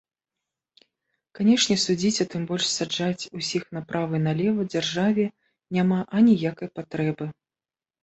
Канешне, судзіць, а тым больш саджаць усіх направа і налева дзяржаве няма аніякай патрэбы.